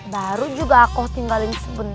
baru juga aku tinggalin sebentar